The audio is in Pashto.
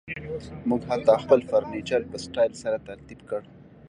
موږ حتی خپل فرنیچر په سټایل سره ترتیب کړ